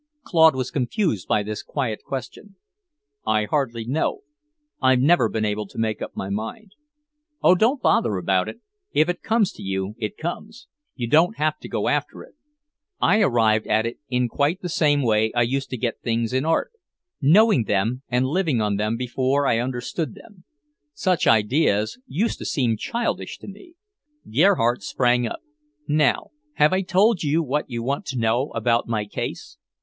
Claude was confused by this quiet question. "I hardly know. I've never been able to make up my mind." "Oh, don't bother about it! If it comes to you, it comes. You don't have to go after it. I arrived at it in quite the same way I used to get things in art, knowing them and living on them before I understood them. Such ideas used to seem childish to me." Gerhardt sprang up. "Now, have I told you what you want to know about my case?"